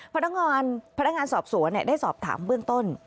พนักงานพนักงานสอบสวนได้สอบถามเบื้องต้น